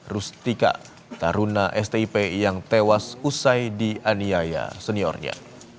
rustika taruna stip yang tewas usai dianiaya seniornya